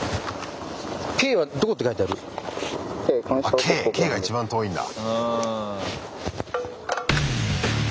あっＫＫが一番遠いんだ。